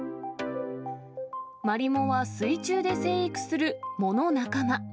マリモは水中で生育する藻の仲間。